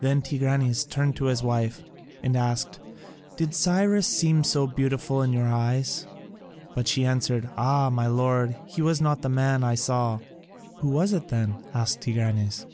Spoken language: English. Then Tigranes turned to his wife and asked, "Did Cyrus seem so beautiful in your eyes?" But she answered, "Ah, my lord, he was not the man I saw." "Who was it then?" asked Tigranes.